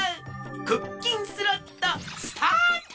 クッキンスロットスタート！